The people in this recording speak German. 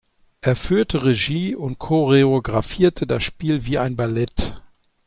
Er führte Regie und choreografierte das Spiel wie ein Ballett.